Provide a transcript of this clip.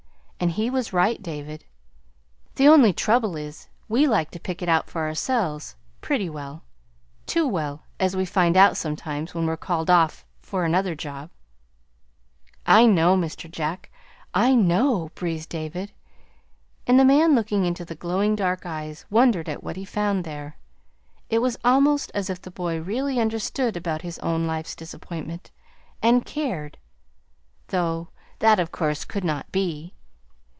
"And he was right, David. The only trouble is, we like to pick it out for ourselves, pretty well, too well, as we find out sometimes, when we're called off for another job." "I know, Mr. Jack, I know," breathed David. And the man, looking into the glowing dark eyes, wondered at what he found there. It was almost as if the boy really understood about his own life's disappointment and cared; though that, of course, could not be!